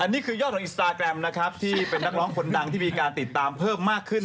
นี่คือยอดของอินสตาแกรมนะครับที่เป็นนักร้องคนดังที่มีการติดตามเพิ่มมากขึ้น